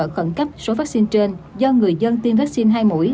hỗ trợ khẩn cấp số vaccine trên do người dân tiêm vaccine hai mũi